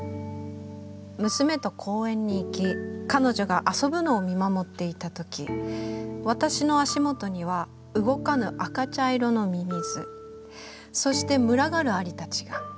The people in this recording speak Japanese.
「娘と公園に行き彼女が遊ぶのを見守っていたとき私の足元には動かぬ赤茶色の蚯蚓そして群がる蟻たちが。